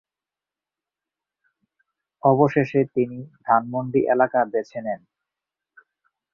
অবশেষ তিনি ধানমন্ডি এলাকা বেছে নেন।